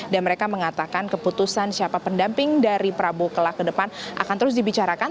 mereka mengatakan keputusan siapa pendamping dari prabowo kelak ke depan akan terus dibicarakan